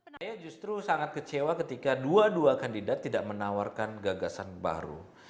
saya justru sangat kecewa ketika dua dua kandidat tidak menawarkan gagasan baru